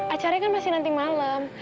acaranya kan pasti nanti malam